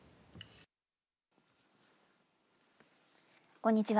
こんにちは。